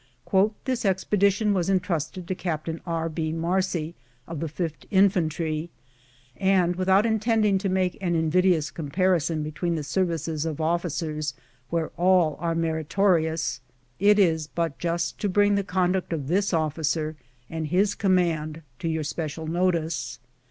" This expedition was intrusted to Captain R. B. Marcj, of the 5th Infantry ; and, without intending to make an in vidious comparison between the services of officers where all are meritorious, it is but just to bring the conduct of this officer and his command to your especial notice.